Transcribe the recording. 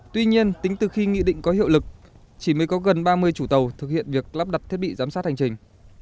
tuy nhiên tính từ khi nghị định có hiệu lực chỉ mới có gần ba mươi chủ tàu thực hiện việc lắp đặt thiết bị giám sát hành trình